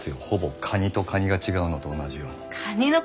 ほぼカニとカニが違うのと同じように。